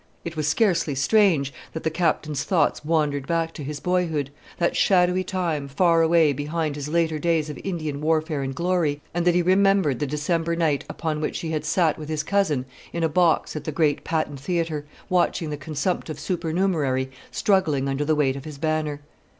It was scarcely strange that the Captain's thoughts wandered back to his boyhood, that shadowy time, far away behind his later days of Indian warfare and glory, and that he remembered the December night upon which he had sat with his cousin in a box at the great patent theatre, watching the consumptive supernumerary struggling under the weight of his banner.